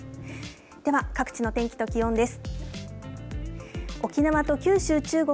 では、各地の天気と気温です。